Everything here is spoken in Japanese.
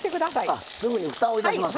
あすぐにふたをいたしますか。